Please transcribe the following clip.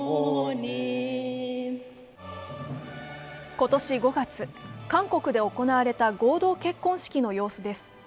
今年５月、韓国で行われた合同結婚式の様子です。